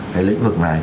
cái lĩnh vực này